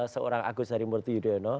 seorang agus dari murti yudhoyono